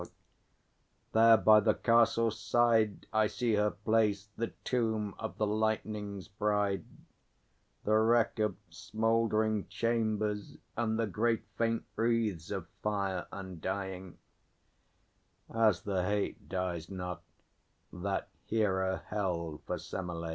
There by the castle side I see her place, the Tomb of the Lightning's Bride, The wreck of smouldering chambers, and the great Faint wreaths of fire undying as the hate Dies not, that Hera held for Semelê.